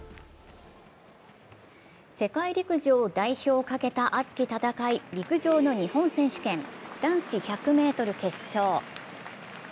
世界陸上代表をかけた熱き戦い、陸上の日本選手権男子１００ｍ決勝。